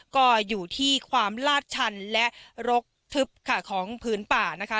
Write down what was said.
ก็อยู่ที่ความลาดชันและรกทึบค่ะของพื้นป่านะคะ